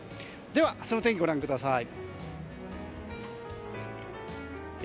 では明日の天気、ご覧ください。